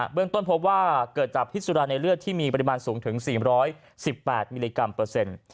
เรื่องต้นพบว่าเกิดจากพิสุราในเลือดที่มีปริมาณสูงถึง๔๑๘มิลลิกรัมเปอร์เซ็นต์